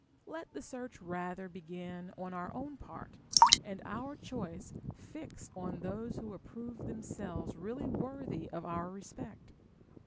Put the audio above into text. Let the search rather begin on our own part, and our choice fix on those who approve themselves really Λvorthy of our respect.